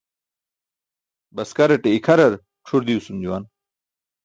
Baskaraṭe ikʰarar cʰur diwsum juwan.